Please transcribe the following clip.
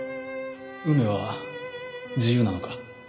梅は自由なのか？